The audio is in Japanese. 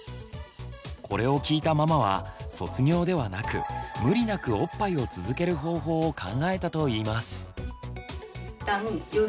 これを聞いたママは卒業ではなく無理なくおっぱいを続ける方法を考えたといいます。